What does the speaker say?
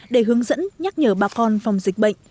để hướng dẫn nhắc nhở bà con phòng dịch bệnh